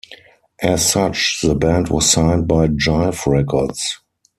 As such, the band was signed by Jive Records.